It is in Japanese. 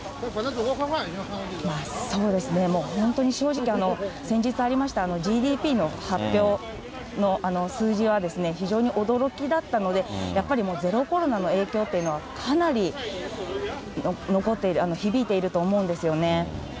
そうですね、もう本当に正直、先日ありました、ＧＤＰの発表の数字は非常に驚きだったので、やっぱりもう、ゼロコロナの影響っていうのはかなり残っている、響いていると思うんですよね。